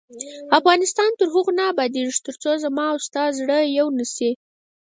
افغانستان تر هغو نه ابادیږي، ترڅو زما او ستا زړه یو نشي.